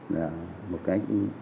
là một cái